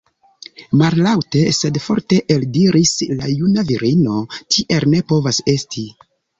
Mallaŭte sed forte eldiris la juna virino: tiel ne povas esti!